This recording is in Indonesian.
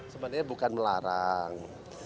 sebenarnya bukan melarang